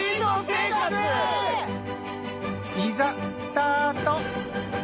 いざスタート。